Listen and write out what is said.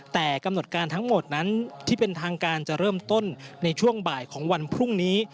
แต่กำหนดการทั้งหมดนั้นที่เป็นทางการจะเริ่มต้นในช่วงบ่ายของวันพรุ่งนี้